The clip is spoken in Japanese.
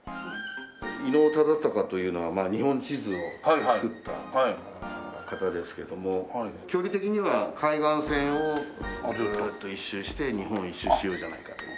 伊能忠敬というのは日本地図を作った方ですけども距離的には海岸線をグルッと一周して日本一周しようじゃないかという。